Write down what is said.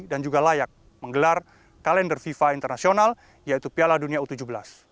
dan juga layak menggelar kalender fifa internasional yaitu piala dunia u tujuh belas